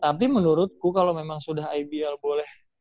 tapi menurutku kalau memang sudah ibl boleh